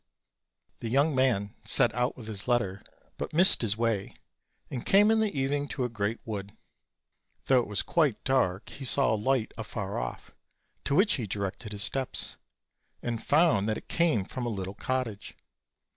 The young man set out with this letter, but missed his way, and came in the evening to a great wood. Though it was quite dark he saw a light afar off, to which he di rected his steps, and found that it came from a little cottage.